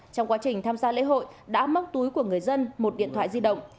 trong quá trình tham gia lễ hội đã móc túi của người dân một điện thoại di động